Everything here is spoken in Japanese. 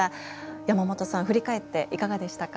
山本さん振り返っていかがでしたか？